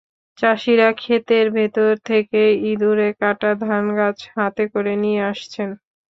চাষিরা খেতের ভেতর থেকে ইঁদুরে কাটা ধানগাছ হাতে করে নিয়ে আসছেন।